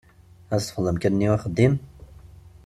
Ad teṭṭfeḍ amkan-nni uxeddim?